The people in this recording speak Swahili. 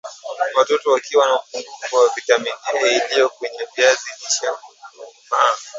Watoto wakiwa na upungufu wa vitamini A iliyo kwenye viazi lishe hudumaa